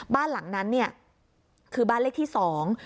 บ้านหลังนั้นเนี่ยคือบ้านเลขที่สอง